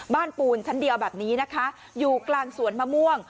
ปูนชั้นเดียวแบบนี้นะคะอยู่กลางสวนมะม่วง